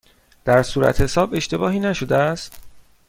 در صورتحساب اشتباهی نشده است؟